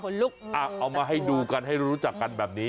คนลุกแต่ตัวอ่าเอามาให้ดูกันให้รู้จักกันแบบนี้